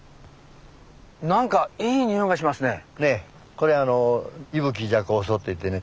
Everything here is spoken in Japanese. これイブキジャコウソウっていってね